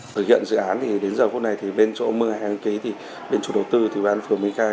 thực hiện dự án thì đến giờ phút này thì bên chỗ mưa hàng ký thì bên chủ đầu tư thì bàn phường mỹ khai